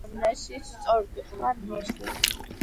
სადიაკვნეში სწორკუთხა ნიშია.